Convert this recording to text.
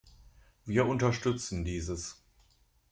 Wir unterstützen dieses.